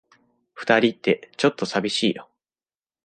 二人って、ちょっと寂しいよ。